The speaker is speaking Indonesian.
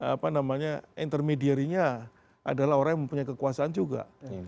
apa namanya intermediarinya adalah orang yang mempunyai kekuasaan juga